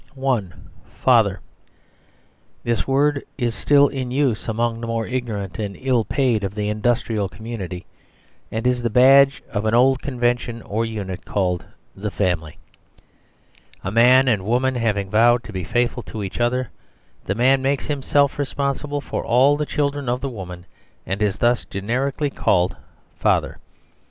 Father. This word is still in use among the more ignorant and ill paid of the industrial community; and is the badge of an old convention or unit called the family. A man and woman having vowed to be faithful to each other, the man makes himself responsible for all the children of the woman, and is thus generically called "Father."